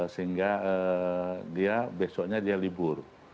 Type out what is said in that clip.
sehingga besoknya dia libur